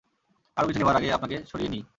আরও কিছু নেবার আগেই আপনাকে সরিয়ে নিই।